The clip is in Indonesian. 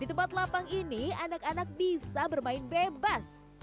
di tempat lapang ini anak anak bisa bermain bebas